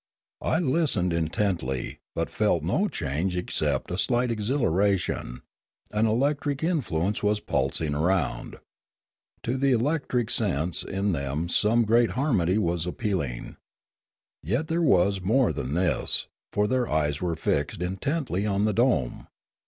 I listened intently, but felt no change ex cept a slight exhilaration; an electric influence was pulsing around. To the electric sense in them some great harmony was appealing. Yet there was more than this; for their eyes were fixed intently on the dome.